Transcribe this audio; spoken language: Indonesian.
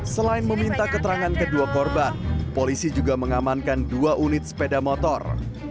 selain meminta keterangan kedua korban polisi juga mengamankan dua unit sepeda motor